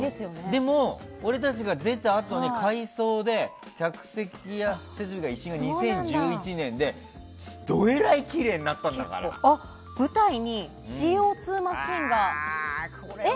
でも、俺たちが出たあとに改装で客席や設備が２０１１年でどえらいきれいになったんだから舞台にＣＯ２マシンが。え？